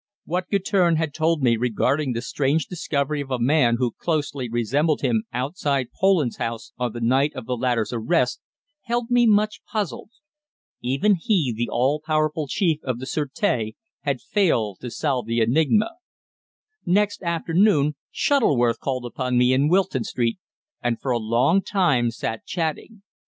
What Guertin had told me regarding the strange discovery of a man who closely resembled him outside Poland's house on the night of the latter's arrest held me much puzzled. Even he, the all powerful chief of the sûreté, had failed to solve the enigma. Next afternoon Shuttleworth called upon me in Wilton Street, and for a long time sat chatting.